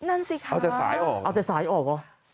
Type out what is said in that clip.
นั่นสิคะเอาจากสายออก